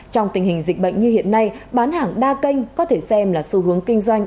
trong tình hình dịch bệnh như hiện nay bán hàng đa kênh có thể xem là xu hướng kinh doanh